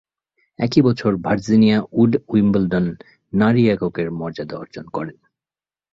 একই বছর Virginia Wade Wimbledon নারী এককের মর্যাদা অর্জন করেন।